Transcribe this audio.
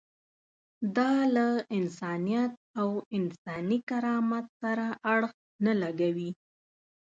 دا له انسانیت او انساني کرامت سره اړخ نه لګوي.